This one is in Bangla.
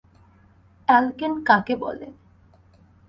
অ্যালকেন কাকে বলে?